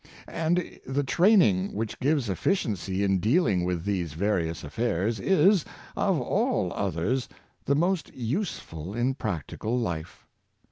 And the train ing which gives efficiency in dealing with these various affairs is, of all others, the most useful in practical life.